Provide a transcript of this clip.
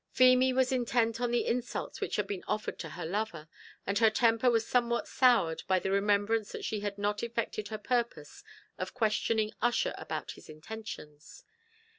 Feemy was intent on the insults which had been offered to her lover, and her temper was somewhat soured by the remembrance that she had not effected her purpose of questioning Ussher about his intentions.